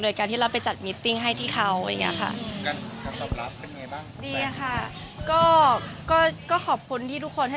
โดยการที่เราไปจัดมิตติ้งให้ที่เขาอย่างนี้ค่ะ